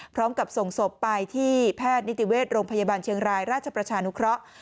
พร้อมกับส่งศพไปที่แพทย์นิติเวชโรงพยาบาลเชียงรายราชประชานุเคราะห์